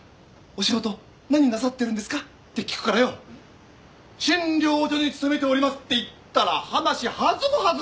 お仕事何なさってるんですか？」って聞くからよ「診療所に勤めております」って言ったら話弾む弾む。